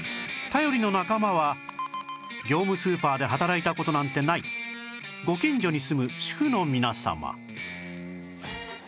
頼りの仲間は業務スーパーで働いた事なんてないご近所に住む主婦の皆様